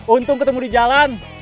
untung ketemu di jalan